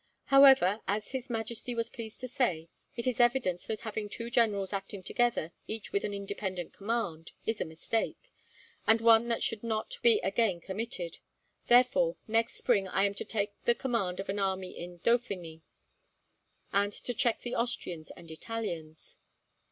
However, as His Majesty was pleased to say, it is evident that having two generals acting together, each with an independent command, is a mistake, and one that should not be again committed. Therefore, next spring I am to take the command of an army in Dauphiny, and to check the Austrians and Italians.